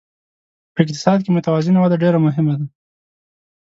په اقتصاد کې متوازنه وده ډېره مهمه ده.